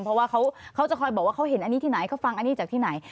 เพราะว่าเขาจะคอยบอกว่าเขาเห็นอันนี้ที่ไหนเขาฟังอันนี้จากที่ไหน